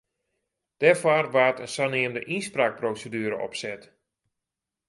Dêrfoar waard in saneamde ynspraakproseduere opset.